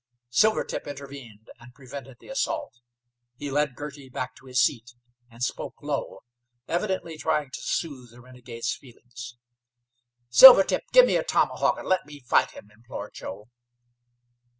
Silvertip intervened, and prevented the assault. He led Girty back to his seat and spoke low, evidently trying to soothe the renegade's feelings. "Silvertip, give me a tomahawk, and let me fight him," implored Joe.